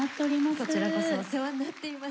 こちらこそお世話になっています。